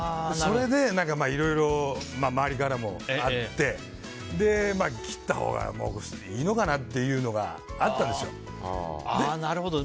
それで、いろいろ周りからもあって切ったほうがいいのかなっていうのがあったんですよ。